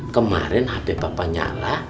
kemarin hape papa nyala